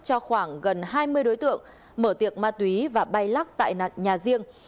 cho khoảng gần hai mươi đối tượng mở tiệc ma túy và bay lắc tại nhà riêng